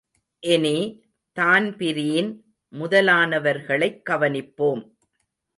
இனி, தான்பிரீன் முதலானவர்களைக் கவனிப்போம்.